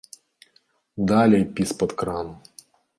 Далей пі з-пад крану.